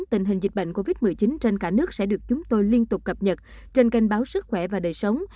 tình hình dịch bệnh covid một mươi chín trên cả nước sẽ được chúng tôi liên tục cập nhật trên kênh báo sức khỏe và đời sống